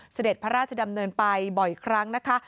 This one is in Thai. เสด็จพระราชดำเนินไปบ่อยครั้งนะคะ